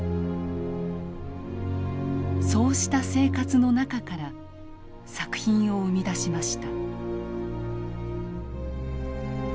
そうした生活の中から作品を生み出しました。